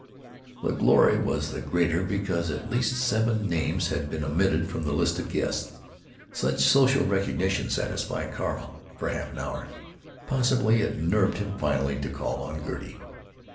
The glory was the greater because at least seven names had been omitted from the list of guests. Such social recognition satisfied Carl—for half an hour. Possibly it nerved him finally to call on Gertie.